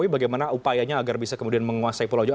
bagaimana upayanya agar bisa kemudian menguasai pulau jawa